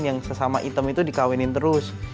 yang sesama hitam itu dikawinin terus